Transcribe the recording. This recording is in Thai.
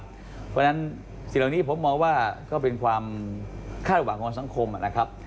เพราะฉะนั้นสิ่งเหล่านี้ผมมองว่าก็เป็นความคาดหวังของสังคมนะครับ